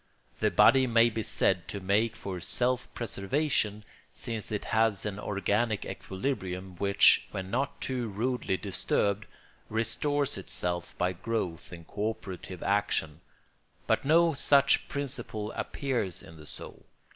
The body may be said to make for self preservation, since it has an organic equilibrium which, when not too rudely disturbed, restores itself by growth and co operative action; but no such principle appears in the soul.